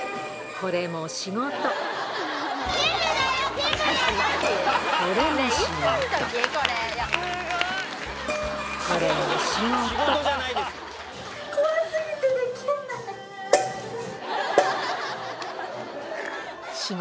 これも仕事。